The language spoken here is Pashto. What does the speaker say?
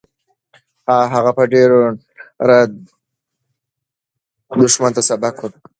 هغه په ډېرې نره دښمن ته سبق ورکړ.